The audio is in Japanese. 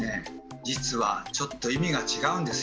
実はちょっと意味が違うんですよ。